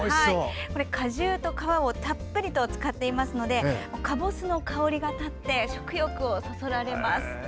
果汁と皮をたっぷりと使っていますのでかぼすの香りが立って食欲がそそられます。